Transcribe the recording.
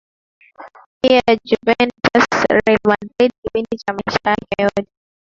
Pia Juventus and Real Madrid kipindi cha maisha yake yote